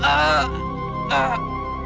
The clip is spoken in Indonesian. terp xu soundkan tobiu kan